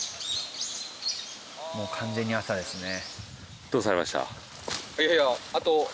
もう完全に朝ですね。